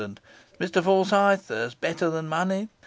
And, Mr Forsyth, there's better than money.